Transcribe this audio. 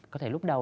có thể lúc đầu